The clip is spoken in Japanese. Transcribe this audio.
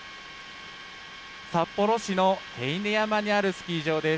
札幌市の手稲山にあるスキー場です。